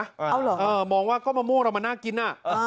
เอ้าเหรอมองว่าก็มะม่วงเรามาน่ากินอ่ะ